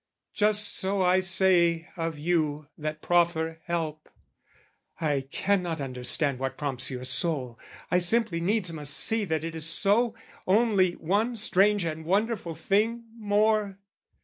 "Just so I say of you that proffer help: "I cannot understand what prompts your soul, "I simply needs must see that it is so, "Only one strange and wonderful thing more.